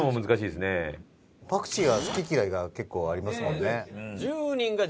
パクチーは好き嫌いが結構ありますもんね。